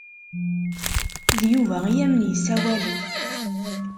D Yuba i am-n-isawalen.